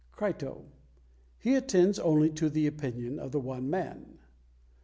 Crito: "He attends only to the opinion of the one man."